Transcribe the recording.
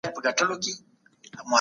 د انګرېزي وړتیا لوړېږي.